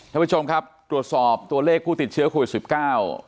ท่านผู้ชมครับตรวจสอบตัวเลขผู้ติดเชื้อโควิดสิบเก้า